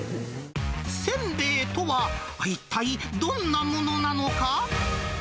せんべいとは一体どんなものなのか。